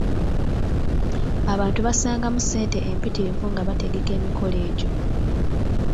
Abantu bassangamu ssente empitirivu nga bategeka emikolo egyo.